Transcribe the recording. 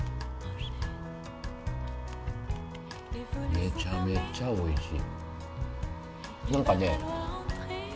めちゃめちゃおいしい。